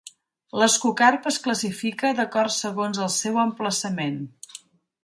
L'ascocarp es classifica d'acord segons el seu emplaçament.